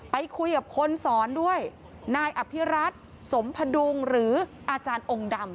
ไปคุยกับคนสอนด้วยนายอภิรัตน์สมพดุงหรืออาจารย์องค์ดำ